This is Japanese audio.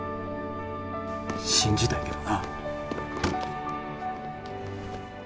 信じたいけどな。